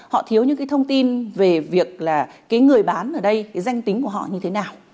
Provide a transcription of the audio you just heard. họ thiếu những thông tin về việc người bán ở đây danh tính của họ như thế nào